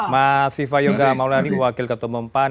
mas viva yoga mauladi wakil ketua pembangunan